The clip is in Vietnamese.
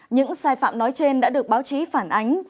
những sai phạm nói trên đã được báo chí phản ánh